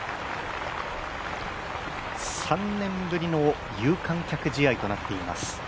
３年ぶりの有観客試合となっています